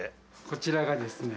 こちらがですね